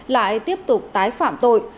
lại tiếp tục tái phạm tội